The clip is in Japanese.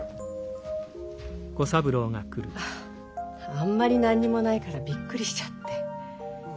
あんまり何にもないからびっくりしちゃって。